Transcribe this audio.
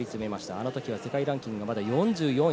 あの時は世界ランキングはまだ４４位。